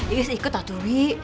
is ikut atur bi